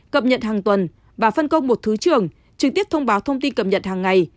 cập nhật hàng tuần và phân công một thứ trưởng trực tiếp thông báo thông tin cập nhật hàng ngày